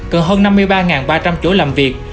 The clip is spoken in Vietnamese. cần hơn năm mươi ba ba trăm linh chỗ làm việc